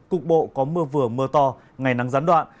cục bộ có mưa vừa mưa to ngày nắng gián đoạn